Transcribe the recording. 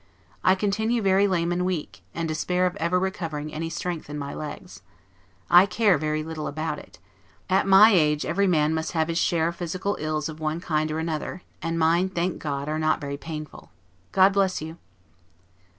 I continue very lame and weak, and despair of ever recovering any strength in my legs. I care very little about it. At my age every man must have his share of physical ills of one kind or another; and mine, thank God, are not very painful. God bless you!